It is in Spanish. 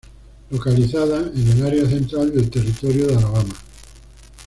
Localizada en el área central del Territorio de Alabama, St.